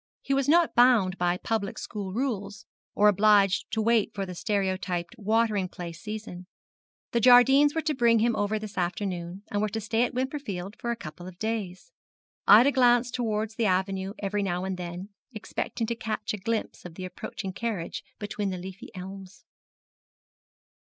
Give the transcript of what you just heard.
He was not bound by public school rules, or obliged to wait for the stereotyped watering place season. The Jardines were to bring him over this afternoon, and were to stay at Wimperfield for a couple of days. Ida glanced towards the avenue every now and then, expecting to catch a glimpse of the approaching carriage between the leafy elms.